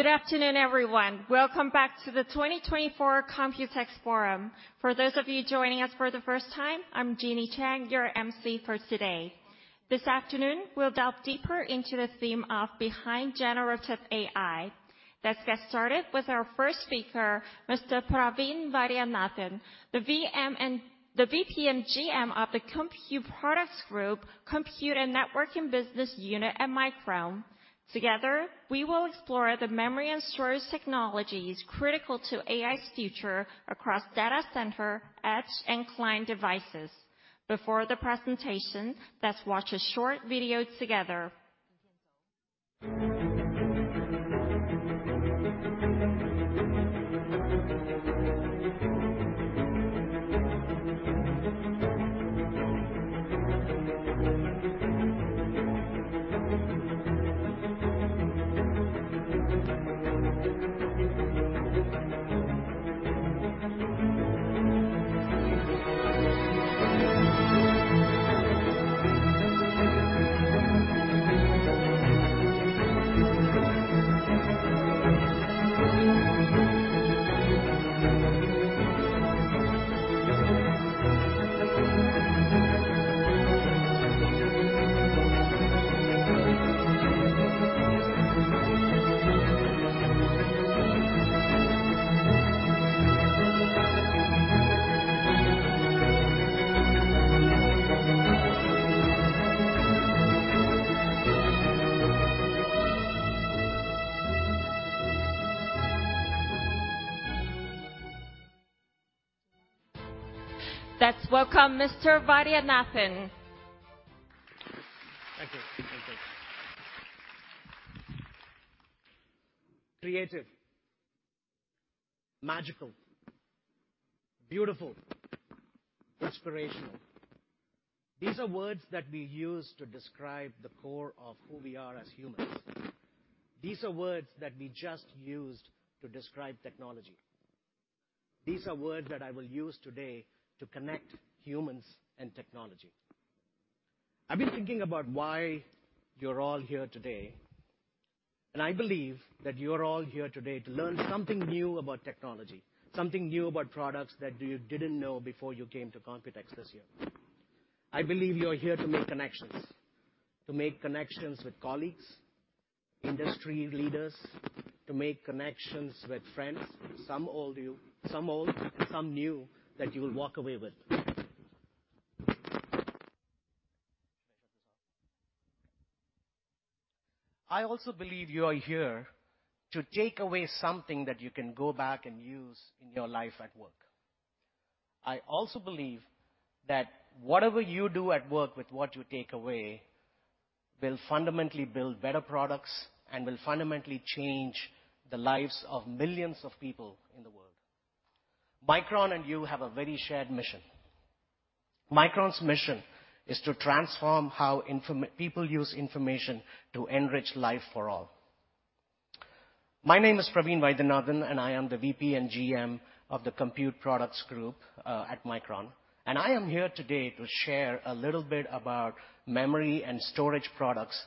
Good afternoon, everyone. Welcome back to the 2024 Computex Forum. For those of you joining us for the first time, I'm Jeannie Chang, your MC for today. This afternoon, we'll dive deeper into the theme of Behind Generative AI. Let's get started with our first speaker, Mr. Praveen Vaidyanathan, the VP and GM of the Compute Products Group, Compute and Networking Business Unit at Micron. Together, we will explore the memory and storage technologies critical to AI's future across data center, edge, and client devices. Before the presentation, let's watch a short video together. Let's welcome Mr. Vaidyanathan. Thank you. Thank you. Creative, magical, beautiful, inspirational. These are words that we use to describe the core of who we are as humans. These are words that we just used to describe technology. These are words that I will use today to connect humans and technology. I've been thinking about why you're all here today, and I believe that you're all here today to learn something new about technology, something new about products that you didn't know before you came to Computex this year. I believe you're here to make connections. To make connections with colleagues, industry leaders, to make connections with friends, some old, some new, that you will walk away with. I also believe you are here to take away something that you can go back and use in your life at work. I also believe that whatever you do at work with what you take away, will fundamentally build better products and will fundamentally change the lives of millions of people in the world. Micron and you have a very shared mission. Micron's mission is to transform how people use information to enrich life for all. My name is Praveen Vaidyanathan, and I am the VP and GM of the Compute Products Group at Micron, and I am here today to share a little bit about memory and storage products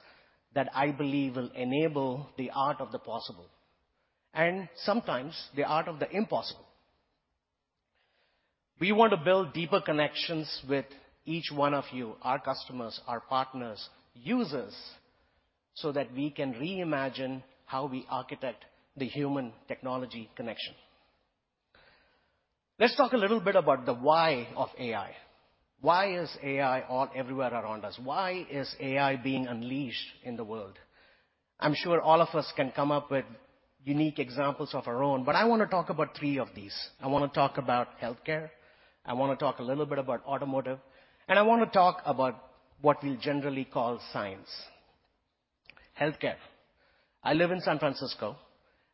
that I believe will enable the art of the possible, and sometimes the art of the impossible. We want to build deeper connections with each one of you, our customers, our partners, users, so that we can reimagine how we architect the human technology connection. Let's talk a little bit about the why of AI. Why is AI all everywhere around us? Why is AI being unleashed in the world? I'm sure all of us can come up with unique examples of our own, but I want to talk about three of these. I want to talk about healthcare, I want to talk a little bit about automotive, and I want to talk about what we generally call science. Healthcare. I live in San Francisco,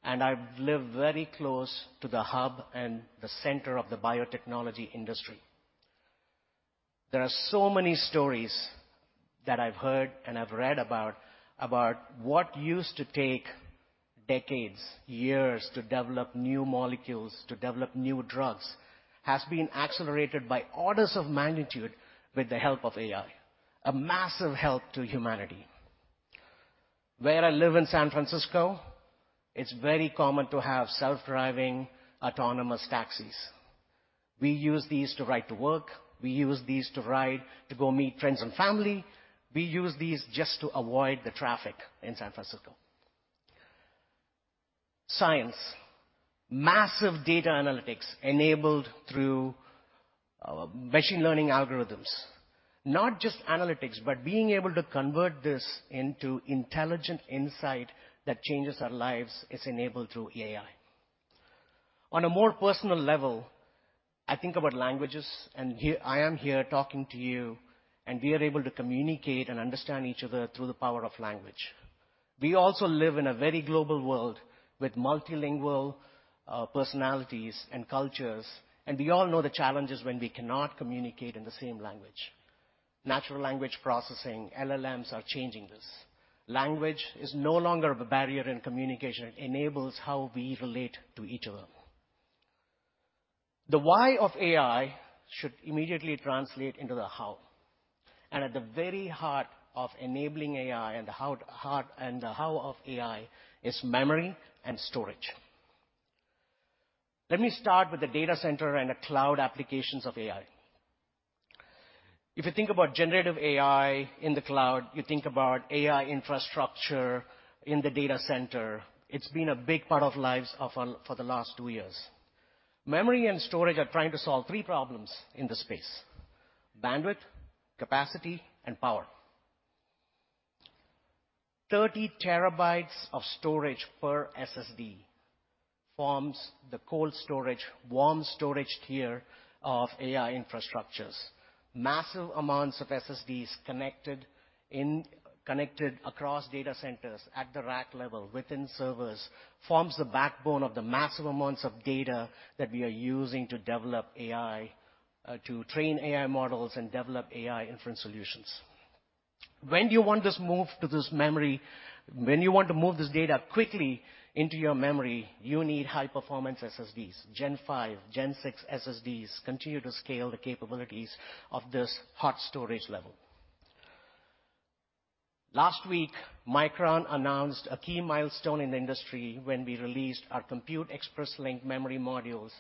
and I live very close to the hub and the center of the biotechnology industry. There are so many stories that I've heard and I've read about, about what used to take decades, years, to develop new molecules, to develop new drugs, has been accelerated by orders of magnitude with the help of AI. A massive help to humanity. Where I live in San Francisco, it's very common to have self-driving autonomous taxis. We use these to ride to work, we use these to ride to go meet friends and family, we use these just to avoid the traffic in San Francisco. Science. Massive data analytics enabled through machine learning algorithms. Not just analytics, but being able to convert this into intelligent insight that changes our lives, is enabled through AI. On a more personal level, I think about languages, and here, I am here talking to you, and we are able to communicate and understand each other through the power of language. We also live in a very global world with multilingual personalities and cultures, and we all know the challenges when we cannot communicate in the same language. Natural language processing, LLMs, are changing this. Language is no longer a barrier in communication. It enables how we relate to each other. The why of AI should immediately translate into the how. And at the very heart of enabling AI and the how heart, and the how of AI, is memory and storage. Let me start with the data center and the cloud applications of AI. If you think about generative AI in the cloud, you think about AI infrastructure in the data center. It's been a big part of lives for the last 2 years. Memory and storage are trying to solve three problems in this space: bandwidth, capacity, and power. 30 TB of storage per SSD forms the cold storage, warm storage tier of AI infrastructures. Massive amounts of SSDs connected across data centers at the rack level, within servers, forms the backbone of the massive amounts of data that we are using to develop AI, to train AI models, and develop AI inference solutions. When do you want this move to this memory? When you want to move this data quickly into your memory, you need high-performance SSDs. Gen 5, Gen 6 SSDs continue to scale the capabilities of this hot storage level. Last week, Micron announced a key milestone in the industry when we released our Compute Express Link memory modules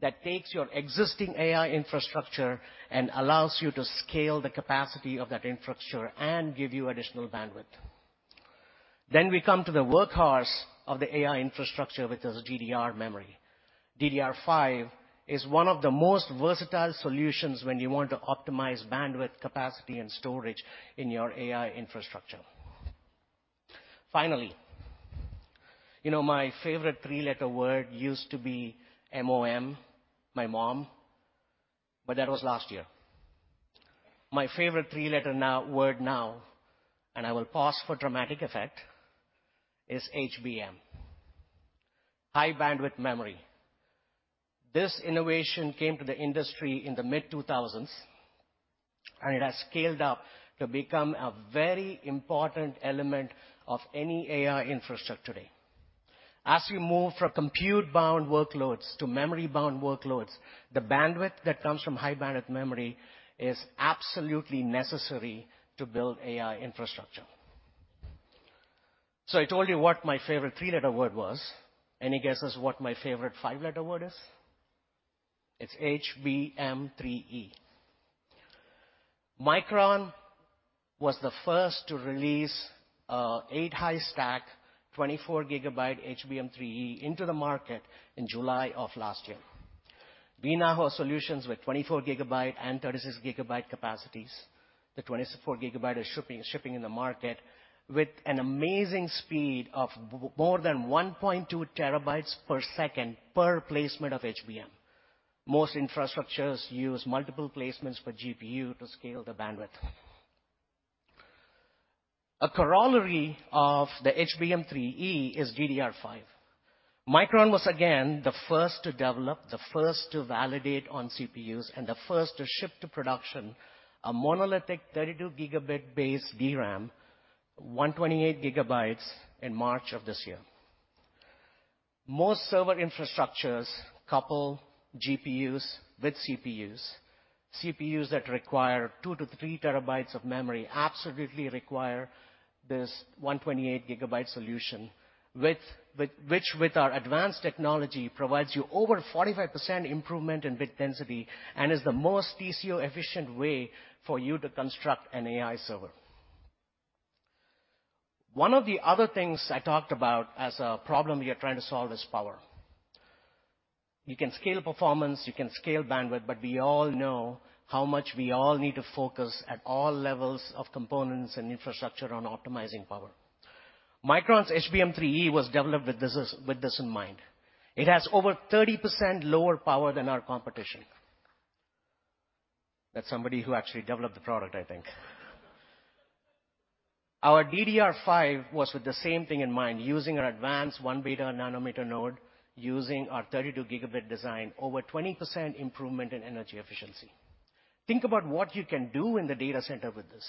that takes your existing AI infrastructure and allows you to scale the capacity of that infrastructure and give you additional bandwidth. Then we come to the workhorse of the AI infrastructure, which is DDR memory. DDR5 is one of the most versatile solutions when you want to optimize bandwidth, capacity, and storage in your AI infrastructure. Finally, you know, my favorite three-letter word used to be M-O-M, my mom, but that was last year. My favorite three-letter word now, and I will pause for dramatic effect, is HBM, high bandwidth memory. This innovation came to the industry in the mid-2000s, and it has scaled up to become a very important element of any AI infrastructure today. As we move from compute-bound workloads to memory-bound workloads, the bandwidth that comes from high-bandwidth memory is absolutely necessary to build AI infrastructure. So I told you what my favorite three-letter word was. Any guesses what my favorite five-letter word is? It's HBM3E. Micron was the first to release 8-high stack, 24 GB HBM3E into the market in July of last year. We now have solutions with 24 GB and 36 GB capacities. The 24 GB is shipping in the market with an amazing speed of more than 1.2 TB/s, per placement of HBM. Most infrastructures use multiple placements per GPU to scale the bandwidth. A corollary of the HBM3E is DDR5. Micron was again the first to develop, the first to validate on CPUs, and the first to ship to production, a monolithic 32 Gb base DRAM, 128 GB, in March of this year. Most server infrastructures couple GPUs with CPUs. CPUs that require 2-3 TB of memory absolutely require this 128 GB solution, which with our advanced technology, provides you over 45% improvement in bit density and is the most TCO-efficient way for you to construct an AI server. One of the other things I talked about as a problem we are trying to solve is power. You can scale performance, you can scale bandwidth, but we all know how much we all need to focus at all levels of components and infrastructure on optimizing power. Micron's HBM3E was developed with this, with this in mind. It has over 30% lower power than our competition. That's somebody who actually developed the product, I think. Our DDR5 was with the same thing in mind, using our advanced 1β nanometer node, using our 32 Gb design, over 20% improvement in energy efficiency. Think about what you can do in the data center with this.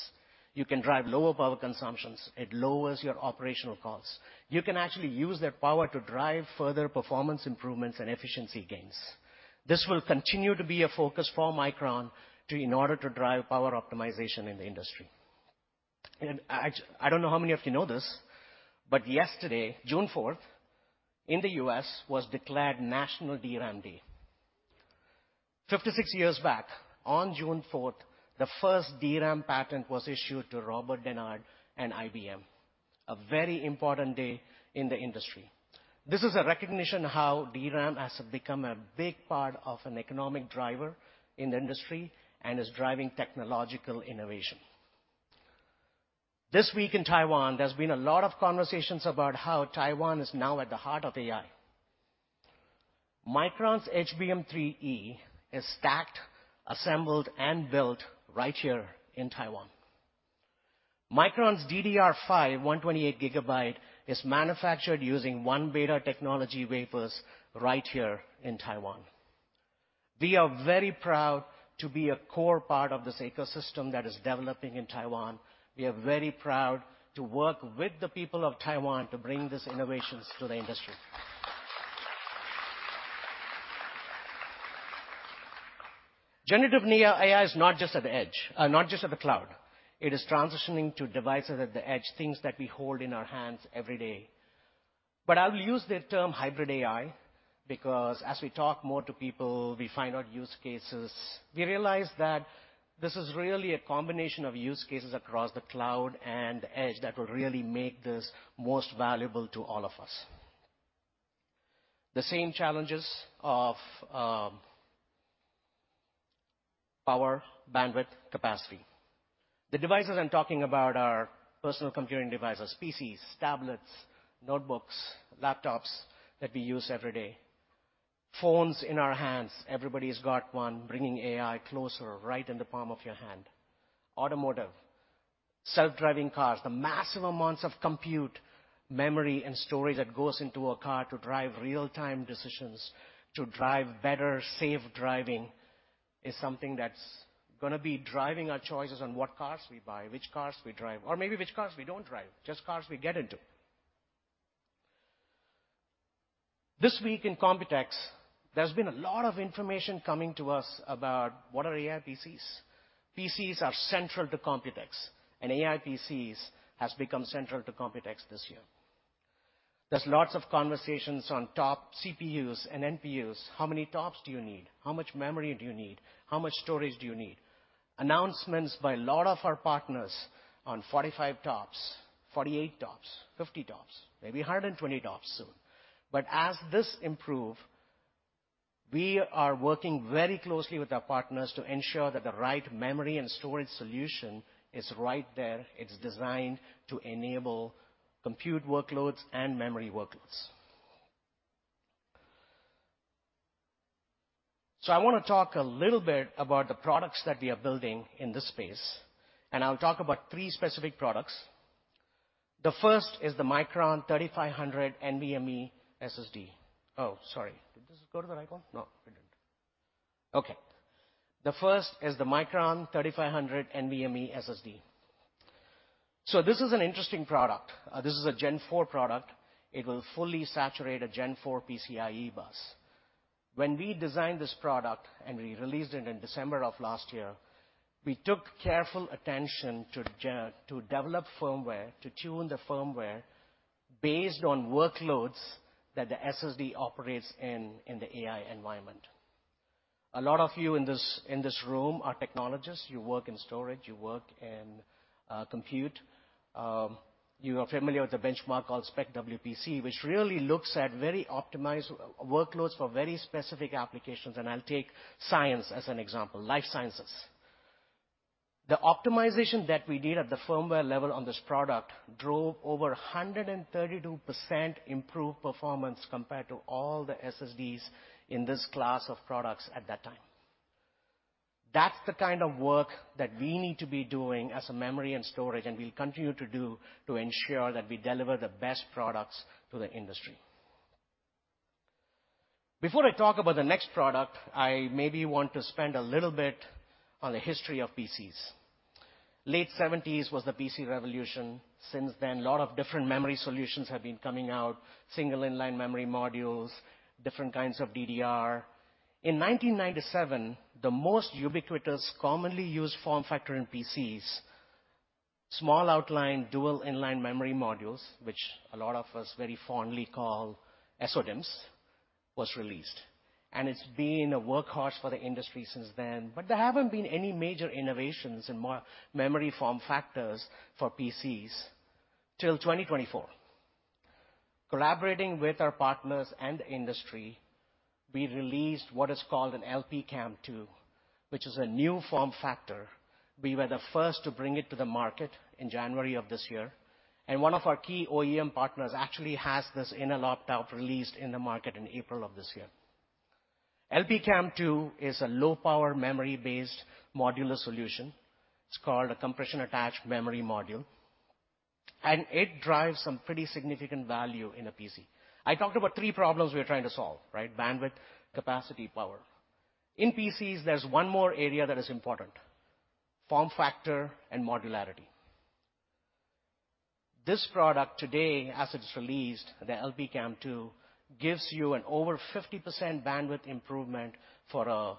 You can drive lower power consumptions. It lowers your operational costs. You can actually use that power to drive further performance improvements and efficiency gains. This will continue to be a focus for Micron, in order to drive power optimization in the industry. And I don't know how many of you know this, but yesterday, 4 June, in the U.S., was declared National DRAM Day. 56 years back, on 4 June, the first DRAM patent was issued to Robert Dennard and IBM, a very important day in the industry. This is a recognition how DRAM has become a big part of an economic driver in the industry and is driving technological innovation. This week in Taiwan, there's been a lot of conversations about how Taiwan is now at the heart of AI. Micron's HBM3E is stacked, assembled, and built right here in Taiwan. Micron's DDR5, 128 GB, is manufactured using 1β technology wafers right here in Taiwan. We are very proud to be a core part of this ecosystem that is developing in Taiwan. We are very proud to work with the people of Taiwan to bring these innovations to the industry.... Generative AI is not just at the edge, not just at the cloud. It is transitioning to devices at the edge, things that we hold in our hands every day. But I will use the term Hybrid AI, because as we talk more to people, we find out use cases. We realize that this is really a combination of use cases across the cloud and the edge that will really make this most valuable to all of us. The same challenges of power, bandwidth, capacity. The devices I'm talking about are personal computing devices, PCs, tablets, notebooks, laptops that we use every day. Phones in our hands, everybody's got one, bringing AI closer, right in the palm of your hand. Automotive, self-driving cars, the massive amounts of compute, memory, and storage that goes into a car to drive real-time decisions, to drive better, safe driving, is something that's gonna be driving our choices on what cars we buy, which cars we drive, or maybe which cars we don't drive, just cars we get into. This week in Computex, there's been a lot of information coming to us about what are AI PCs. PCs are central to Computex, and AI PCs has become central to Computex this year. There's lots of conversations on top CPUs and NPUs. How many TOPS do you need? How much memory do you need? How much storage do you need? Announcements by a lot of our partners on 45 TOPS, 48 TOPS, 50 TOPS, maybe 120 TOPS soon. But as this improve, we are working very closely with our partners to ensure that the right memory and storage solution is right there. It's designed to enable compute workloads and memory workloads. So I want to talk a little bit about the products that we are building in this space, and I'll talk about three specific products. The first is the Micron 3500 NVMe SSD. Oh, sorry. Did this go to the right one? No, it didn't. Okay. The first is the Micron 3500 NVMe SSD. So this is an interesting product. This is a Gen 4 product. It will fully saturate a Gen 4 PCIe bus. When we designed this product, and we released it in December of last year, we took careful attention to develop firmware, to tune the firmware based on workloads that the SSD operates in, in the AI environment. A lot of you in this room are technologists. You work in storage, you work in compute. You are familiar with a benchmark called SPECwpc, which really looks at very optimized workloads for very specific applications, and I'll take science as an example, life sciences. The optimization that we did at the firmware level on this product drove over 132% improved performance compared to all the SSDs in this class of products at that time. That's the kind of work that we need to be doing as a memory and storage, and we'll continue to do to ensure that we deliver the best products to the industry. Before I talk about the next product, I maybe want to spend a little bit on the history of PCs. Late 1970s was the PC revolution. Since then, a lot of different memory solutions have been coming out, single inline memory modules, different kinds of DDR. In 1997, the most ubiquitous, commonly used form factor in PCs, small outline, dual inline memory modules, which a lot of us very fondly call SODIMMs, was released, and it's been a workhorse for the industry since then. But there haven't been any major innovations in memory form factors for PCs till 2024. Collaborating with our partners and the industry, we released what is called an LPCAMM2, which is a new form factor. We were the first to bring it to the market in January of this year, and one of our key OEM partners actually has this in a laptop released in the market in April of this year. LPCAMM2 is a low-power, memory-based modular solution. It's called a compression attached memory module, and it drives some pretty significant value in a PC. I talked about three problems we are trying to solve, right? Bandwidth, capacity, power. In PCs, there's one more area that is important: form factor and modularity. This product today, as it's released, the LPCAMM2, gives you an over 50% bandwidth improvement for a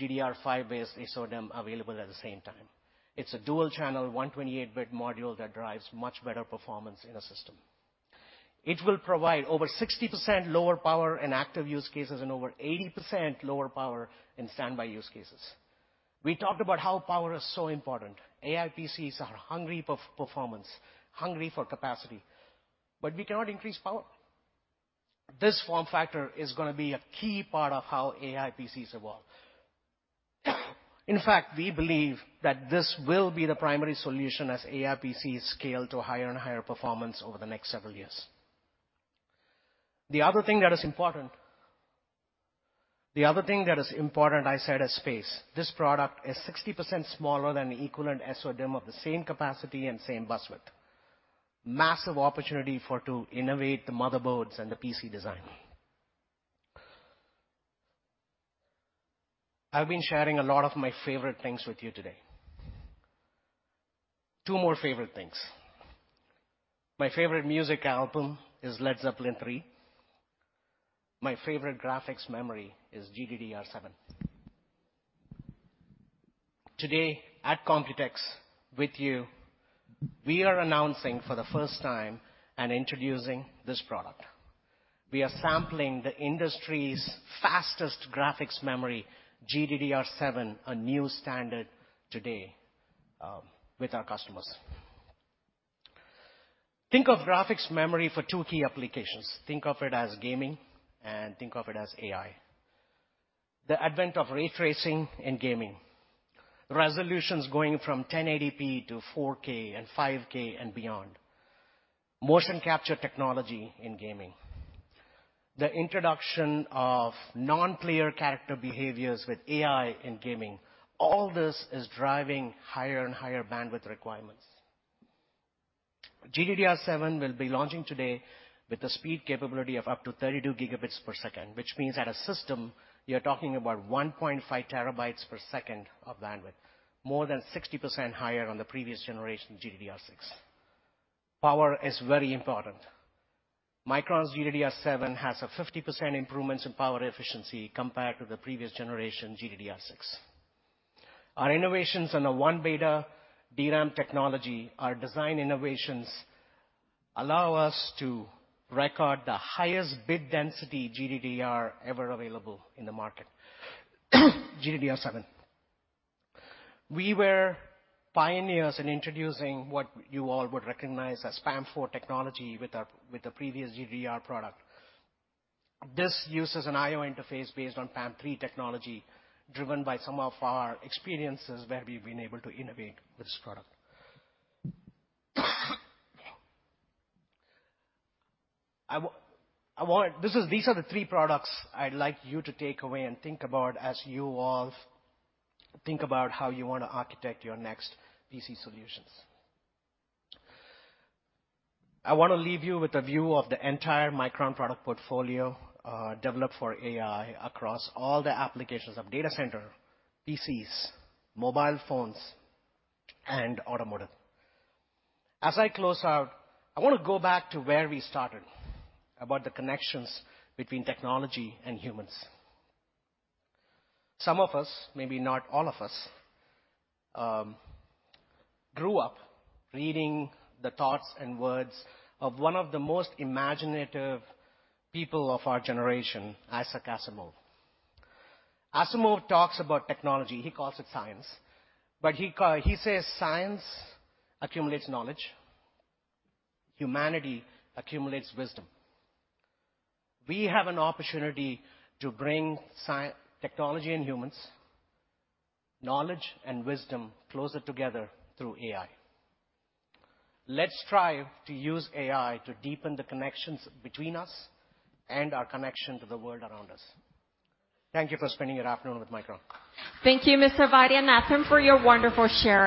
DDR5-based SODIMM available at the same time. It's a dual channel, 128-bit module that drives much better performance in a system. It will provide over 60% lower power in active use cases and over 80% lower power in standby use cases. We talked about how power is so important. AI PCs are hungry for performance, hungry for capacity, but we cannot increase power. This form factor is gonna be a key part of how AI PCs evolve. In fact, we believe that this will be the primary solution as AI PCs scale to higher and higher performance over the next several years. The other thing that is important... The other thing that is important, I said, is space. This product is 60% smaller than the equivalent SODIMM of the same capacity and same bus width. Massive opportunity to innovate the motherboards and the PC design. I've been sharing a lot of my favorite things with you today.... Two more favorite things. My favorite music album is Led Zeppelin III. My favorite graphics memory is GDDR7. Today, at Computex, with you, we are announcing for the first time and introducing this product. We are sampling the industry's fastest graphics memory, GDDR7, a new standard today with our customers. Think of graphics memory for two key applications. Think of it as gaming, and think of it as AI. The advent of ray tracing in gaming, resolutions going from 1080p to 4K and 5K and beyond, motion capture technology in gaming, the introduction of non-player character behaviors with AI in gaming, all this is driving higher and higher bandwidth requirements. GDDR7 will be launching today with the speed capability of up to 32 Gbps, which means at a system, you're talking about 1.5 TB/s of bandwidth, more than 60% higher than the previous generation, GDDR6. Power is very important. Micron's GDDR7 has a 50% improvement in power efficiency compared to the previous generation, GDDR6. Our innovations on the 1β DRAM technology, our design innovations, allow us to record the highest bit density GDDR ever available in the market, GDDR7. We were pioneers in introducing what you all would recognize as PAM4 technology with the previous GDDR product. This uses an I/O interface based on PAM3 technology, driven by some of our experiences where we've been able to innovate with this product. These are the three products I'd like you to take away and think about as you all think about how you want to architect your next PC solutions. I want to leave you with a view of the entire Micron product portfolio, developed for AI across all the applications of data center, PCs, mobile phones, and automotive. As I close out, I want to go back to where we started, about the connections between technology and humans. Some of us, maybe not all of us, grew up reading the thoughts and words of one of the most imaginative people of our generation, Isaac Asimov. Asimov talks about technology, he calls it science, but he says science accumulates knowledge, humanity accumulates wisdom. We have an opportunity to bring technology and humans, knowledge and wisdom, closer together through AI. Let's strive to use AI to deepen the connections between us and our connection to the world around us. Thank you for spending your afternoon with Micron. Thank you, Mr. Vaidyanathan, for your wonderful sharing.